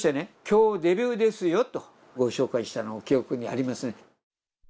「今日デビューですよ」とご紹介したのを記憶にありますね。